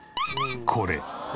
これ。